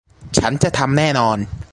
ฉันจะทำแน่นอน